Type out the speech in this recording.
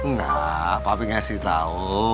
nah pak pi ngasih tau